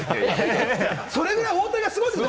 それぐらい大谷がすごいってこと。